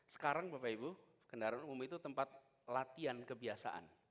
sekarang bapak ibu kendaraan umum itu tempat latihan kebiasaan